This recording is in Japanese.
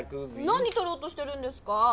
なにとろうとしてるんですか！